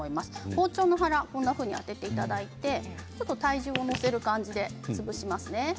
包丁の腹を当てていただいて体重を乗せる感じで潰します。